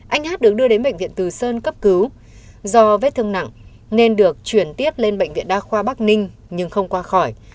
anh hát được đưa đến bệnh viện từ sơn cấp cứu do vết thương nặng nên được chuyển tiếp lên bệnh viện đa khoa bắc ninh nhưng không qua khỏi